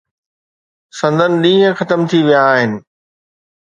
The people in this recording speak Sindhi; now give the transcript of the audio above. سندن ڏينهن ختم ٿي ويا آهن.